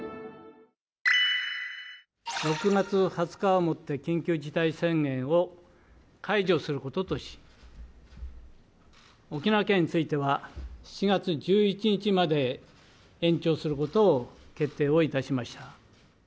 ６月２０日をもって緊急事態宣言を解除することとし沖縄県については７月１１日まで延長することを決定を致しました。